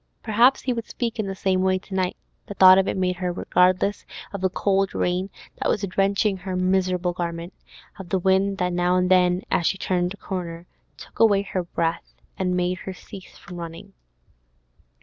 Perhaps he would speak in the same way to night; the thought of it made her regardless of the cold rain that was drenching her miserable garment, of the wind that now and then, as she turned a corner, took away her breath, and made her cease from running.